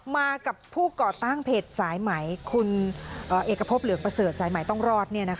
มากับผู้ก่อตั้งเพจสายไหมคุณเอกพบเหลืองประเสริฐสายใหม่ต้องรอด